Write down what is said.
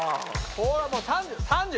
これはもう３０３０。